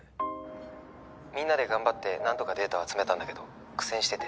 「みんなで頑張ってなんとかデータは集めたんだけど苦戦してて」